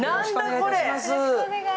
これ？